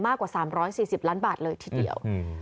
มากกว่า๓๔๐ล้านบาทเลยทีเดียว